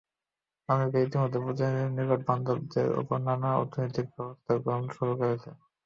America ইতিমধ্যে পুতিনের নিকটবান্ধবদের ওপর নানা রকম অর্থনৈতিক ব্যবস্থা গ্রহণ শুরু করেছে।